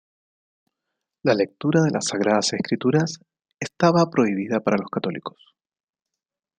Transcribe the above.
La lectura de las Sagradas Escrituras estaba prohibida para los católicos.